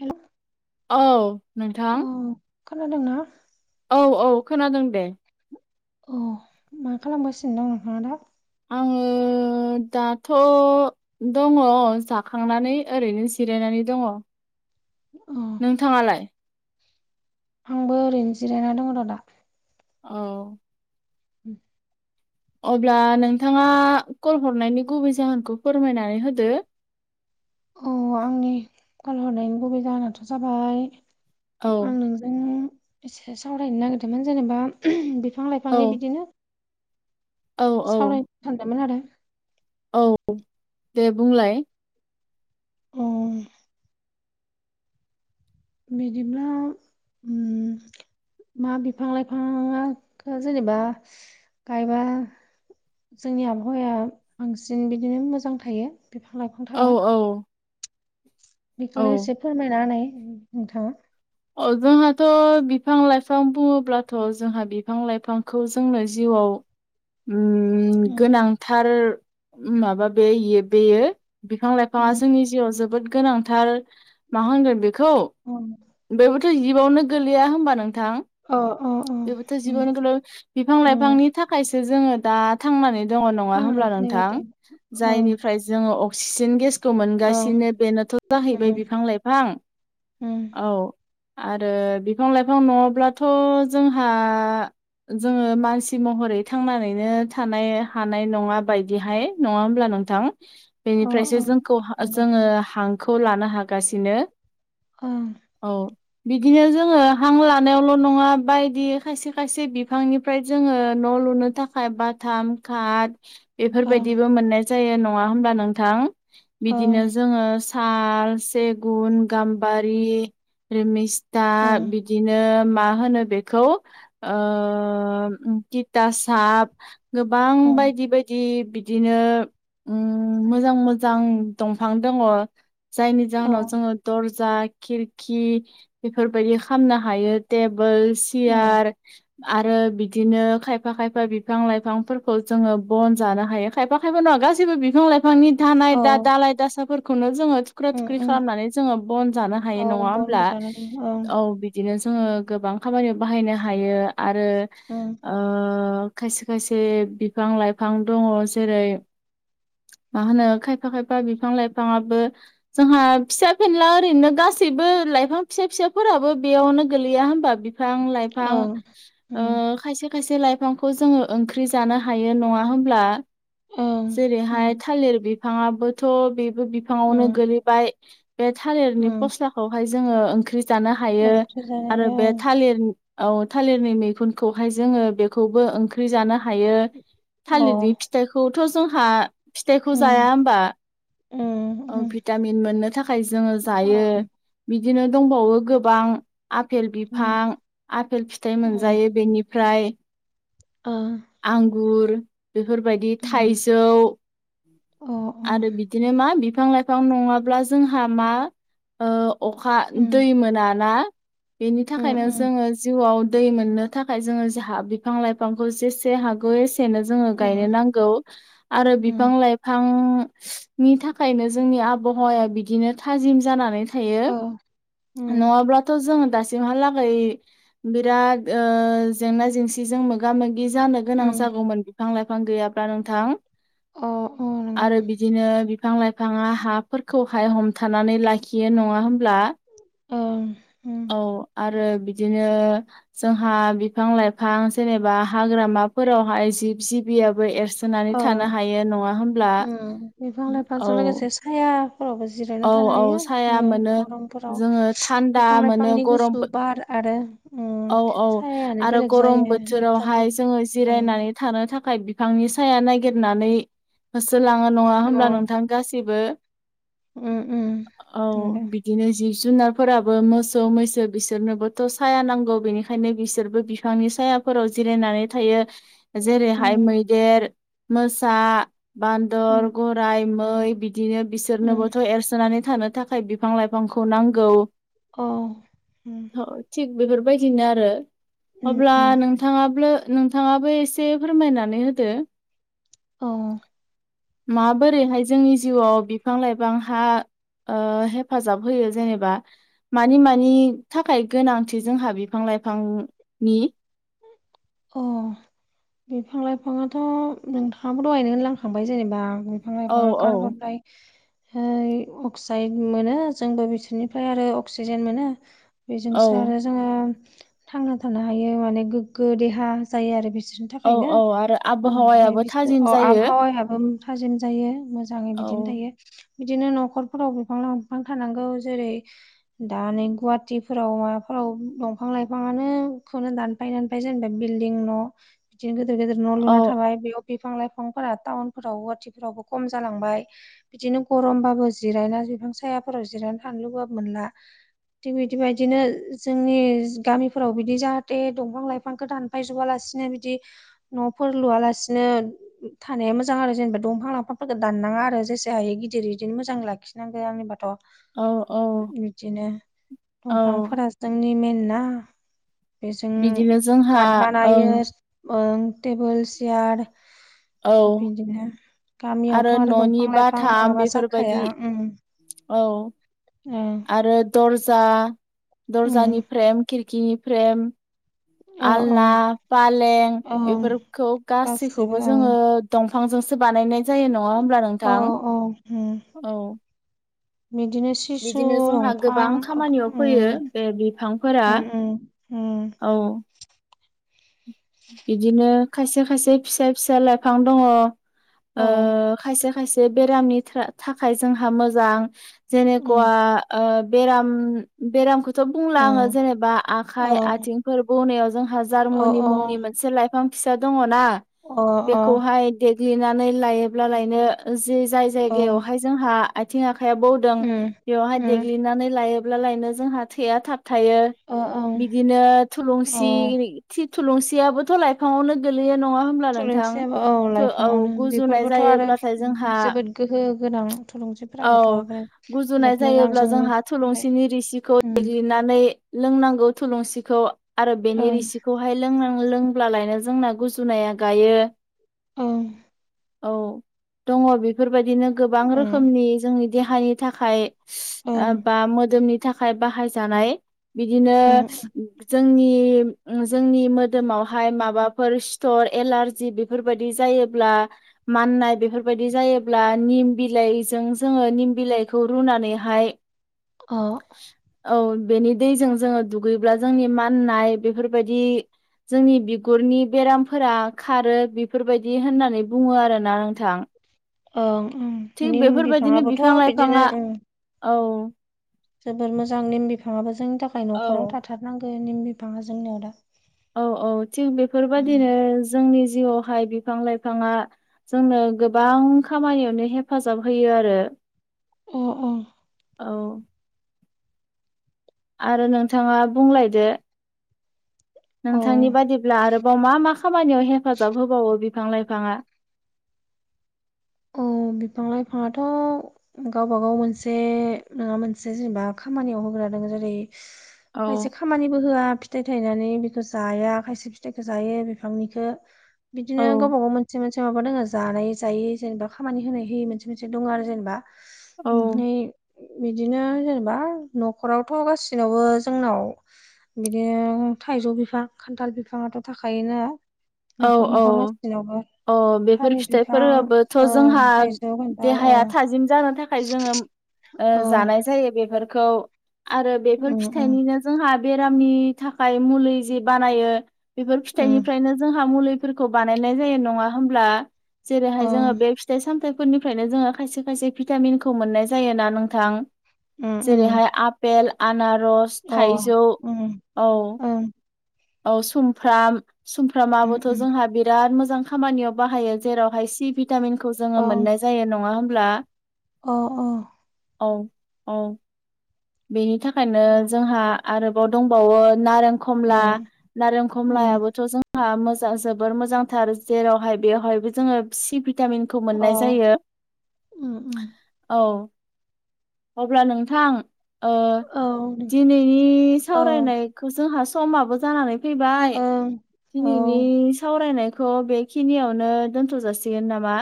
Hello औ नोंथां खोनादोंना औ औ खोनादों दे औ मा खालामगासिनो दं नोंथाङा दा आङो दाथ' दङ जाखांनानै ओरैनो जिरायनानै दङ अ नोंथाङा लाय आंबो ओरैनो जिरायना दङ र' दा औ। उम अब्ला नोंथाङा कल हरनायनि गुबै जाहोनखौ फोरमायनानै होदो औ आंनि कल हरनायनि गुबै जाहोनाथ' जाबाय औ आं नों नों एसे सावरायनो नागिरदोंमोन जेनेबा बिफां औ लाइफांनि बिदिनो औ औ सावरायनो सानदोंमोन आरो औ दे बुंलाय अह बिदिब्ला उम मा बिफां लाइफांआ जेनेबा गायबा जोंनि आबहावाया बांसिन बिदिनो मोजां थायो बिफां लाइफां औ थाबा औ औ बेखौनो एसे फोरमायना होनाय नोंथाङा अ जोंहाथ' बिफां लाइफां बुङोब्लाथ' जोंहा बिफां लाइफांखौ जोंनो जिउआव उम गोनांथार माबा बे बेयो बिफां लाइफाङा उम जोंनि जिउआव जोबोद गोनांथार मा होनगोन बेखौ औ बेबोथ' जिबआवनो गोलैया होमबा नोंथां अ अ बेबोथ' नंगौ जिबावनो गोलैयो उम बिफां-लाइफांनि थाखायसो जोङो दा थांनानै दङ नङा थांनानै होमब्ला थानाय नोंथां बायदि ओं जायनिफ्राय जोङो अक्सिजेन गेसखौ ओं मोनगासिनो बेनोथ' जाहैबाय उम बिफां-लाइफां उम औ आरो बिफां लाइफां न'ङाब्लाथ' जोंहा जोङो मानसि महरै थांनानैनो थानाय हानाय नङा बायदिहाय नङा होमब्ला नोंथां अ बेनिफ्रायसो अ जोंखौ नंगौ जोङो हांखौ लानो हागासिनो। ओं औ बिदिनो जोङो हां लानायावल' नङा बायदि खायसे खायसे बिफांनिफ्राय जोङो न' लुनो थाखाय बाथाम खाद बेफोर ओं बायदिबो मोननाय जायो नङा होमब्ला नोंथां ओं बिदिनो जोङो साल सेगुन गाम्बारि रिमिस्ता उम बिद दिनो मा होनो बेखौ ओ तितासाप गोबां उम बायदि-बायदि बि बिदिनो उम मोजां-मोजां दंफां दङ। जायनि औ जाहोनाव जोङो दर्जा खिरखि बेफोर बायदि खामनो हायो टेबोल उम सियार आरो बिदिनो खायफा-खायफा बिफां लाइफांफोरखौ जोङो बन जानो हायो। खायफा-खायफा नंङा गासैबो बिफां लाय बिफांनि दानाय औ दा दालाय दासाफोरखौनो जोङो थुख्रा उम थुख्रि उम खालामनानै जोङो बन जानो हायो। हायो औ नङा होमब्ला बनबो जानो हायो ओं औ बिदिनो जोङो गोबां खामानियाव बाहायनो हायो आरो उम ओ खायसे खायसे बिफां लाइफां दङ जेरै मा होनो खायफा खायफा बिफां-लाइफाङाबो जोंहा फिसा फिनला ओरैनो गास गासैबो लाइफां फिसा फिसाफोराबो बेयावनो गोलैया होमबा बिफां-लाइफां ओं उम ओ खायसे खायसे लाइफांखौ जोङो ओंख्रि जानो हायो नङा होमब्ला ओं जेरैहाय उम थालिर बिफाङाबोथ' बेबो बिफांङावनो उम गोलैबाय बे थालिरनि उम [unintelligible] खौहाय जोङो ओंख्रि जानो हायो ओंख्रि जानो आरो हायो बे थालिरन औ थालिरनि मैगुनखौहाय जोङो बेखौबो ओंख्रि जानो हायो थालिरनि ओं फि थाइखौथ' जोंहा फिथाइखौ अ जाया उम होमबा उम ओ उम भि टामिन मोननो थाखाय जोङो जायो ओं बिदिनो दंबावो गोबां आफेल उम बिफां आफेल फिथाइ मोनजायो बेनिफ्राय ओ। आंगुर बेफोरबायदि थाइजौ आरो बिद दिनो मा बिफां लाइफां नङाब्ला जोंहा मा ओ अखा दै मोना ना बेनि थाखायनो जोङो जिउआव दै मोननो थाखाय जोङो जोहा बिफां लाइफांखौ जेसे हागौ एस एनो जोङो गायनो नांगौ। आरो बिफां लाइफां नि थाखायनो जोंनि आबहावाया बिदिनो थाजिम जानानै थायो नङाब्ला थ' जोङो दासिमहालागै बिराद ओ जेंना जेंसि जों मोगा मोगि जानो गोनां जागौमोन बिफां लाइफां गैयाब्ला नोंथां। आरो नंगौ, बिदिनो बिफां लाइफाङा हाफोरखौहाय हमथानानै ला खियो नङा होमब्ला। ओं। दिनो जोंहा बिफां लाइफां जेनेबा हाग्रामाफोरावहाय जिब जिबियाबो एरसो नानै अ, थानो हायो नङा होमब्ला औ। हाया। फोरावबो जिरायना औ थानो औ हायो साया जोङो मोनो गरमफोराव जोङो थान्दा बिफां मोनो लाइफांनि गरम गुसु बार आरो उम औ औ सायायानो आरो बेलेग गरम जायो बोथोरावहाय नेचारेल जोङो उम। जिरायनानै थानो थाखाय बिफांनि साया नागिरनानै होसोलाङो नङा अ, होमब्ला नोंथां। गासिबो उम, उम, औ नंगौ, बिद दिनो जिब जुनारफोराबो मोसौ मैसो बिसोरनोबोथ' साया नां गौ बेनिखायनो बिसोरबो बिफांनि सायाफोराव जिरायनानै थायो जेरैहाय उम, मै देर मोसा बान्दर उम, गराय मै बिदिनो उम, बिसोरनोबोथ' एरसोनानै थानो थाखाय बिफां लाइफांखौ नांगौ। औ उम। अ थिग बेफोरबायदिनो आरो उम, अब्ला उम, नों नोंथाङाब्लो नोंथाङाबो एसे फोरमायनानै होदो। औ। माबोरैहाय जोंनि जिउआव बिफां लाइफ गोबां हा ओ हेफाजाब होयो जेनेबा। मानि मानि थाखाय गोनांथि जोंहा बिफां लाइफां नि। अ' बिफां लाइफाङाथ' नोंथाङाबो दहायनो होनलांखांबाय जेनेबा बिफां औ लाइफाङा औ कार्बन डाइ होय अक्साइड मोनो जोंबो बिसोरनिफ्राय आरो अक्सिजेन मोनो। बेजोंसो आरो औ जोङो थांना थानो हायो माने गोग्गो देहा जायो आरो बिसोर थाखायनो औ आरो ओमफ्राय आबहावायाबो बिसोर थाजिम अ' जायो आबहावायाबो थाजिम जायो मोजाङै औ बिदिनो थायो। बिदिनो न'खरफोराव बिफां लाइफां थानांगौ जेरै दा नै गुवाहटिफोराव माबाफोराव दंफां लाइफांङानो खौनो दानफाय-दानफाय जेनबाय बिल्दिं न' बिदिनो गोदोर-गोदोर न' औ लुना थाबाय बेयाव बिफां लाइफांफोरा टाउनफोराव गुवाहटिफोरावबो खम जालांबाय। बिदिनो गरमबाबो जिरायना बिफां सायाफोराव जिरायना थानो लुगैबाबो मोनला। थिग बिदिबायदिनो जोंनि गामिफोराव बिदि जाहाथे दंफां लाइफां दानफायजोबालासिनो बिदि न'फोर लुयालासिनो थानाया मोजां आरो जेनेबा दंफां लाांफांफोरखौ दाननाङा आरो जेसे हायो गिदिर इदिनो मोजां लाखिनांगो आंनिबाथ' औ बिदिनो औ दंफांफोरा जोंनि मइेन ना बेजों बिदिनो जोंहा कार्ट बानायो ओं टेबोल चेयार औ बिदिनो गामियावथ' आरो न'नि दंफां लाइफां बाथाम नङाबा बेफोरबायदि जाखाया औ उम आरो दर्जा दर्जानि उम फ्रेम खिरखिनि फ्रेम। औ औ आलना पालें ओं बेफोरखौ गासिबो गासैखौबो ओं जोङो दंफांजोंसो बानायनाय जायो नङा होमब्ला औ नोंथां औ उम औ। बिदिनो सि खिसु बिदिनो जोंहा दंफां गोबां खामानियाव फैयो बे बिफांफोरा औ बिदिनो खायसे खायसे फिसा फिसा लाइफां दङ अ खायसेाय माखायसे बेरामनि थाखाय जोंहा मोजां जेनेखा उम बेराम बेरामखौथ' बुंला आङो उम जेनेबा अ आखाइ आथिंफोर बौनायाव जोंहा अ अ जार्मुनि मुंनि ससे लाइफां फिसा दङ ना अ अ बेखौहाय देग्लिनानै लायोब्ला लायनो जि जाय ओं जायगायावहाय जोंहा आथिं आखाइआ बौदों उम बेवहाय उम देग्लिनानै लायोब्लालायनो जोंहा थैया थाब थायो अ ओं बिदिनो थुलुंसि अ थि थुलुंसियाबोथ' लाइफाङावनो गोलैयो नङा होनब्ला नोंथां थुलुंसियाबो औ औ लाइफाङावनो गुजुनाय बेफोरबोथ' आरो जायोब्लाथाय उम, जोंहा जोबोद गोहो गोनां औ थुलुंसिफोराबोथ' ओमफ्राय गुजुनाय बिराद मोजां जायोब्ला जोंनि जोंहा थाखाय थुलुंसिनि रिसिखौ उम लिरनानै लोंनांगौ थुलुंसिखौ आरो बेनि ओं रिसिखौहाय लोंनांगौ लोंब्लालायनो जोंना गुजुनाया गायो औ औ दङ बेफोरबायदिनो गोबां उम रोखोमनि जोंनि देहानि थाखाय ओं बा मोदोमनि थाखाय बाहायजानाय बिदिनो उम जों [unintelligible] जोंनि जों मोदोमावहाय माबाफोर सि्थर एलारजि बेफोरबायदि जायोब्ला माननाय बेफोरबायदि जायोब्ला निम बिलाइजों जोङो निम बिलाइखौ रुनानैहाय [unintelligible] अ औ बेनि दैजों जोङो दुगैब्ला जोंनि माननाय बेफोरबायदि जोंनि बिगुरनि बेरामफोरा खारो बेफोरबायदि होननानै बुङो आरोना नोंथां ओं उम थिग बेफोरबायदिनो बिफां लाइफाङा औ जोबोर मोजां निम बिफाङाबो जोंनि थाखाय औ न'खराव थाथारनांगौ निम बिफाङा जोंनियाव दा औ औ थिग उम, बेफोरबादिनो जोंनि जिउआवहाय बिफां लाइफाङा जोंनो गोबां खामानियावनो हेफाजाब होयो आरो अ अ औ आरो नोंथाङा बुंलायदो अ नोंथांनि बादिब्ला आरोबाव मा मा खामानियाव हेफाजाब होबावो बिफां लाइफाङा औ बिफां लाइफाङाथ' गावबा गाव मोनसे नङा मोनसे जेनेबा खामानियाव होग्रा दङ जेरै औ खायसे खामानिबो होआ फिथाइ थायनानै बेखौ जाया खायसे फिथाइखौ जायो बिफांनिखौ बिदिनो औ गावबा गाव मोनसे मोनसे माबा दङ जानाय जायै जेनेबा खामानि होनाय होयै मोनसे मोनसे दङ आरो जेनेबा औ [unintelligible] बिदिनो जेनेबा न'खरावथ' गाैनावबो जोंनाव बिदिनो थाइजौ बिफां खान्थाल बिफाङाथ' थाखोना औ औ औ बेफोर थालिर बिफां फिथाइफोराबो थ' ओं जोंहा थाइजौ खान्थाल देहाया ओं थाजिम जानो थाखाय जोङो ओ जानाय जायो बेफोरखौ आरो बेफोर फिथाइनिनो जोंहा बेरामनि थाखाय मुलि जि बानायो बेफोर फिथाइनिफ्रायनो खा मुलिफोरखौ बानायनाय जायो नंङा होमब्ला जेरैहाय जोंङो बे फि फिथाइ सामथाइफोरनिफ्रायनो जोङो खायसे खायसे भिटामिनखौ मोननाय जायोना नोंथां जेरैहाय आपेल आनारस थाइजौ औ औ सुमफ्राम फ्रामाबोथ' जोंहा बिराद मोजां खामानियाव बाहायो जेरावहाय सि भिटामिनखौ जोङो मोननाय जायो नङा होमब्ला अ अ औ औ बेनि थाखायनो जोंहा आरोबाव दंबावो नारें खमला नारें खमलायाबोथ' जों हा मोजां जोबोर मोजांथार जेरावहाय बेवहायबो जोङो सि भिटामिन खौ मोननाय जायो। औ अब्ला नोंथां ओ दिनैनि सावरायनायखौ जोंहा समाबो जानानै फैबाय औ दिनैनि सावरायनायखौ बेखिनियावनो दोनथ' जाासिगोन नामा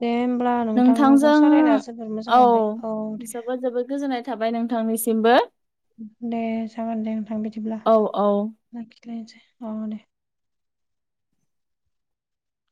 दे होमब्ला नोंथां नोंजों नोंथांजों सावरायना जोबोर मोजां औ मोनबाय दे जोबोद जोबोद गोजोननाय थाबाय नोंथांनिसिमबो दे जागोन दे नोंथां बिदिब्ला औ औ लाखिलायनोसै औ दे